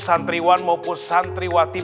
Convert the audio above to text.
santriwan maupun santriwati